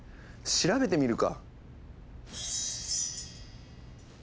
調べてみるか。